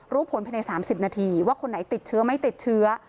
รู้ผลภายใน๓๐นาทีว่าคนไหนติดเชื้อไม่ติดเชื้อ